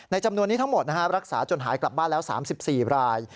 จำนวนนี้ทั้งหมดรักษาจนหายกลับบ้านแล้ว๓๔ราย